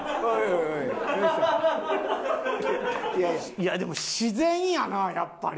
いやでも自然やなやっぱり。